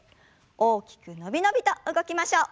大きくのびのびと動きましょう。